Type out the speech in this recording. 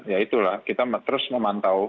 ya itulah kita terus memantau